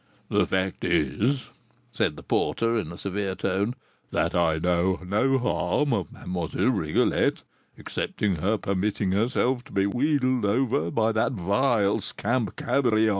"The fact is," said the porter, in a severe tone, "that I know no harm of Mlle. Rigolette, excepting her permitting herself to be wheedled over by that vile scamp, Cabrion."